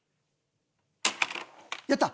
やった！